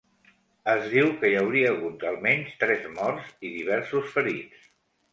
Es diu que hi hauria hagut almenys tres morts i diversos ferits.